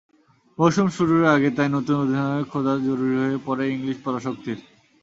মৌসুম শুরুর আগে তাই নতুন অধিনায়ক খোঁজা জরুরি হয়ে পড়ে ইংলিশ পরাশক্তির।